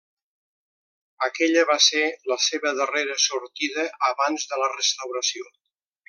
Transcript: Aquella va ser la seva darrera sortida abans de la restauració.